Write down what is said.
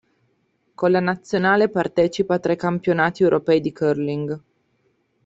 Con la nazionale partecipa a tre campionati europei di curling.